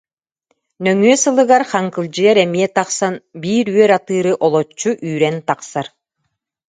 Нөҥүө сылыгар Хаҥкылдьыйар эмиэ тахсан биир үөр атыыры олоччу үүрэн тахсар